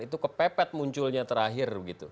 itu kepepet munculnya terakhir